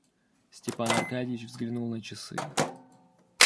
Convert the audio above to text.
Степан Аркадьич взглянул на часы.